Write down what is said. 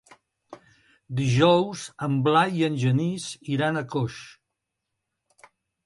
Dijous en Blai i en Genís iran a Coix.